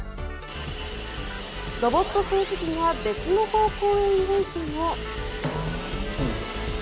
ロボット掃除機が別の方向へ動いても。